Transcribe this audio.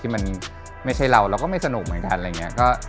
เหมือนกันงานไม้เราก็จะไม่สนุกวันไหนที่ลงมา